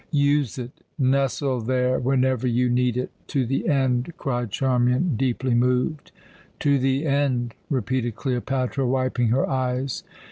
"Use it, nestle there whenever you need it, to the end," cried Charmian, deeply moved. "To the end," repeated Cleopatra, wiping her eyes.